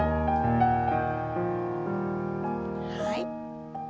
はい。